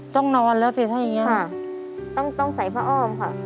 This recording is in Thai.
ต้องนอนแล้วสิถ้าอย่างนี้ค่ะต้องใส่ผ้าอ้อมค่ะ